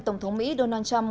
tổng thống mỹ donald trump